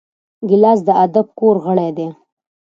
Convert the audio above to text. ګیلاس د ادب د کور غړی دی.